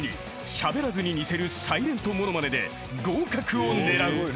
しゃべらずに似せるサイレントものまねで合格を狙う］